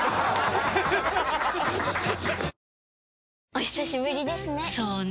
お久しぶりですね。